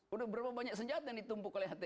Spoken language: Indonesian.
udah berapa banyak senjata yang ditumpuk oleh hti